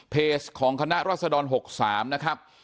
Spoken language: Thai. เพจของคณะรัศดร๖๓นะครับ